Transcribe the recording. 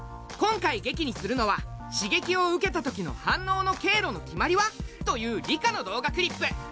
今回劇にするのは「刺激を受けたときの反応の経路の決まりは」という理科の動画クリップ。